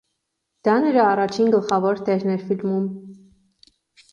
Դա նրա առաջին գլխավոր դերն էր ֆիլմում։